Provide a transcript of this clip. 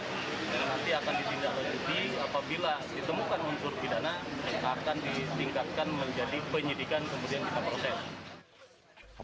nanti akan ditindaklanjuti apabila ditemukan unsur pidana akan ditingkatkan menjadi penyidikan kemudian kita proses